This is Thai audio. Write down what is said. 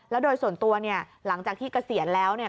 แล้วโดยส่วนตัวเนี่ยหลังจากที่เกษียณแล้วเนี่ย